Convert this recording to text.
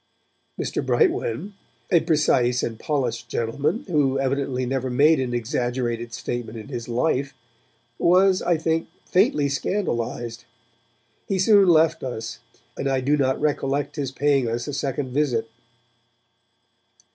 Mr. Brightwen, a precise and polished gentleman who evidently never made an exaggerated statement in his life, was, I think, faintly scandalized; he soon left us, and I do not recollect his paying us a second visit.